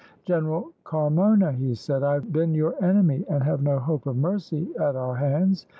"General Carmona," he said, "I have been your enemy, and have no hope of mercy at our hands.